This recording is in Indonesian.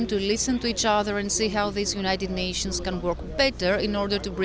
mendengar satu sama lain dan melihat bagaimana negara negara berkumpul ini bisa berjaya lebih baik